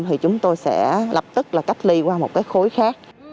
thì chúng tôi sẽ lập tức cách ly qua một khối khác